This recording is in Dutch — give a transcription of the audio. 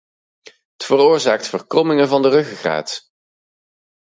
Het veroorzaakt verkrommingen van de ruggengraat.